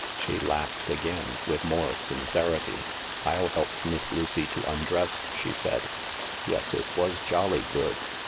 She laughed again with more sincerity. " I'll help Miss Lucy to undress," she said. " Yes, it was jolly good.